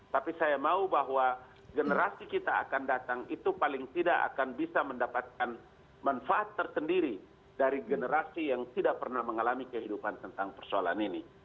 tapi saya mau bahwa generasi kita akan datang itu paling tidak akan bisa mendapatkan manfaat tersendiri dari generasi yang tidak pernah mengalami kehidupan tentang persoalan ini